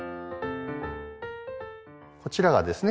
こちらがですね